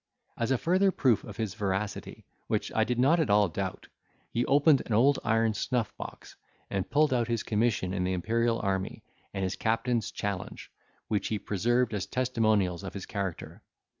As a further proof of his veracity, which I did not at all doubt, he opened an old iron snuff box, and pulled out his commission in the Imperial army, and his captain's challenge, which he preserved as testimonials of his character.